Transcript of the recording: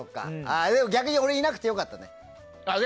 逆に俺いなくて良かったね。